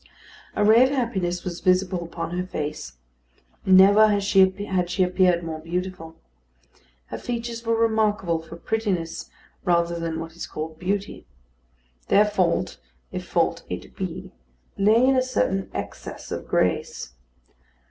A ray of happiness was visible upon her face. Never had she appeared more beautiful. Her features were remarkable for prettiness rather than what is called beauty. Their fault, if fault it be, lay in a certain excess of grace.